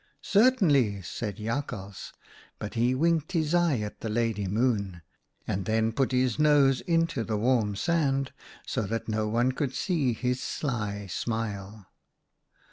"* Certainly,' said Jakhals, but he winked his eye at the Lady Moon, and then put his nose into the warm sand so that no one could see his sly smile.